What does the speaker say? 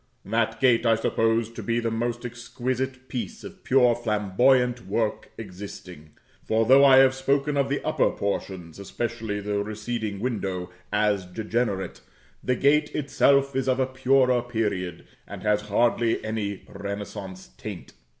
That gate I suppose to be the most exquisite piece of pure flamboyant work existing; for though I have spoken of the upper portions, especially the receding window, as degenerate, the gate itself is of a purer period, and has hardly any renaissance taint.